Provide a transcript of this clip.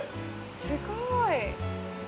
すごい。